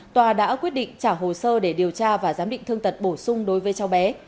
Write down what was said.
tòa đã quyết định trả hồ sơ để điều tra và giám định thương tật bổ sung đối với cháu bé